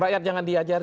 rakyat jangan diajari